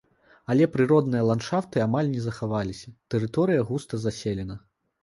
Але прыродныя ландшафты амаль не захаваліся, тэрыторыя густа заселена.